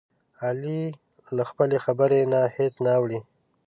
علي له خپلې خبرې نه هېڅ نه اوړوي.